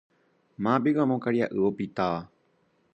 Mávapiko amo karia'y opitáva